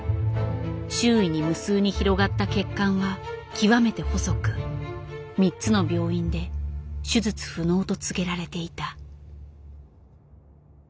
周囲に無数に広がった血管は極めて細く３つの病院で手術不能と告げられていた。